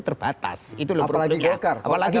terbatas apalagi golkar apalagi